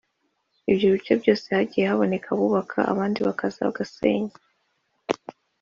Ibyo bice byose hagiye haboneka abubakaga abandi bakaza bagasenya